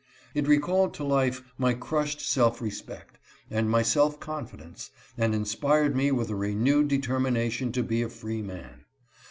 It recalled to life my crushed self respect, and my self con fidence, and inspired me with a renewed determination to be a free man.